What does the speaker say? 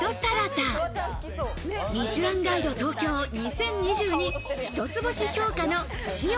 『ミシュランガイド東京２０２２』一つ星評価のｓｉｏ。